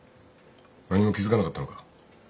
何も気付かなかったのか。